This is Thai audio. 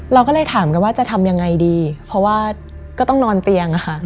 เราก็เลยถามกันว่าจะทำยังไงดีเพราะว่าก็ต้องนอนเตียงอะค่ะ